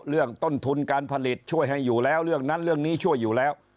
เรื่องต้นทุนการผลิตช่วยให้อยู่แล้วเรื่องนั้นเรื่องนี้ช่วยอยู่แล้ว